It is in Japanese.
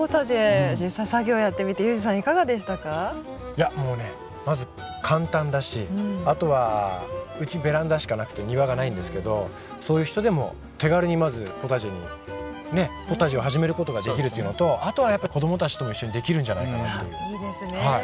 いやもうねまず簡単だしあとはうちベランダしかなくて庭がないんですけどそういう人でも手軽にまずポタジェにポタジェを始める事ができるというのとあとはやっぱり子供たちとも一緒にできるんじゃないかなという。